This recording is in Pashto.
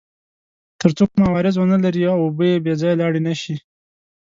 تر څو کوم عوارض ونلري او اوبه بې ځایه لاړې نه شي.